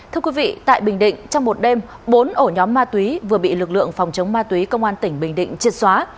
thưa quý vị tại bình định trong một đêm bốn ổ nhóm ma túy vừa bị lực lượng phòng chống ma túy công an tỉnh bình định triệt xóa